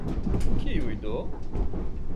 Kiuj do?